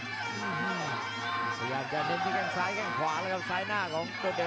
ระยับจะเน้นได้แขั้งซ้ายแขั้งขวาแล้วครับสายหน้าของโดดเดน